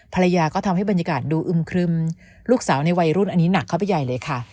ภรรยาก็ทำให้บรรยากาศดูอึมครึมลูกสาวในวัยรุ่นอันนี้หนักเข้าไปใหญ่เลยค่ะ